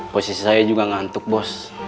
posisi saya juga ngantuk bos